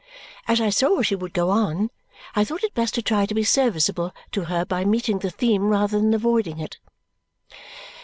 As I saw she would go on, I thought it best to try to be serviceable to her by meeting the theme rather than avoiding it.